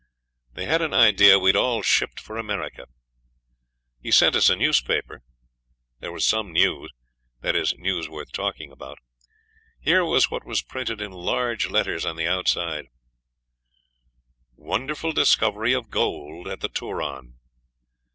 They had an idea we'd all shipped for America. He sent us a newspaper. There was some news; that is, news worth talking about. Here was what was printed in large letters on the outside: WONDERFUL DISCOVERY OF GOLD AT THE TURON.